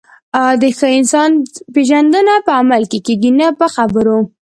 د ښه انسان پیژندنه په عمل کې کېږي، نه په خبرو.